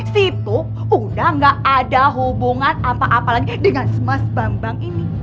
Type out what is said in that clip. situ udah gak ada hubungan apa apa lagi dengan mas bambang ini